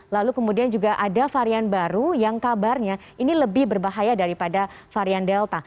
lalu kemudian juga ada varian baru yang kabarnya ini lebih berbahaya daripada varian delta